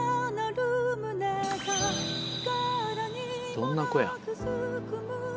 どんな子や？